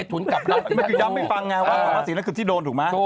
ตอนนี้ส่องลาสิทดูแล